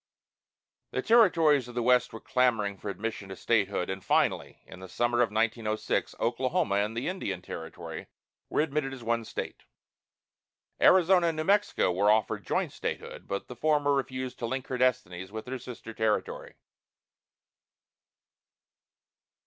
The territories of the West were clamoring for admission to statehood, and finally, in the summer of 1906, Oklahoma and the Indian Territory were admitted as one state. Arizona and New Mexico were offered joint statehood, but the former refused to link her destinies with her sister territory.